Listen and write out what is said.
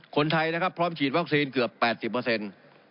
คนไทยนะครับพร้อมฉีดวัคซีนเกือบ๘๐เปอร์เซ็นต์